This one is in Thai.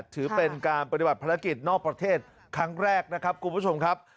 ถือเป็นการปฏิบัติภารกิจนอกประเทศครั้งแรกนะครับคุณผู้ชมครับ